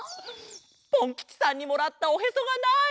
ポンきちさんにもらったおへそがない！